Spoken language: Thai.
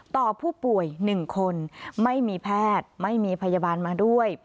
ต่อผู้ป่วย๑คนไม่มีแพทย์ไม่มีพยาบาลมาด้วย